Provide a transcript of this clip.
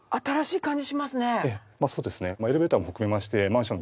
そうですね。